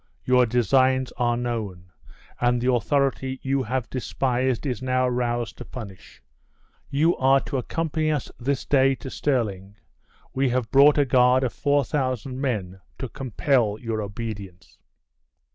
Your designs are known, and the authority you have despised is now roused to punish. You are to accompany us this day to Stirling. We have brought a guard of four thousand men to compel your obedience."